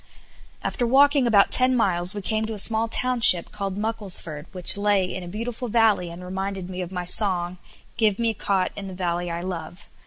After walking about ten miles we came to a small township called Mucklesford which lay in a beautiful valley, and reminded me of my song, "Give me a cot in the valley I love."